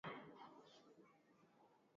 naye mtoto wa kanali gaddafi seif al islam